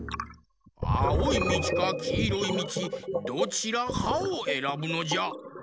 あおいみちかきいろいみちどちらかをえらぶのじゃ。